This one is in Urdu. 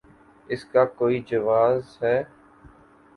اس کا کوئی جواز ہے؟